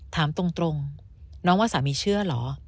ถามตรงน้องว่าสามีเชื่อเหรอ